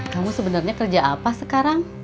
kamu sebenarnya kerja apa sekarang